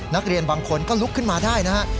นักเรียนบางคนก็ลุกขึ้นมาได้นะฮะ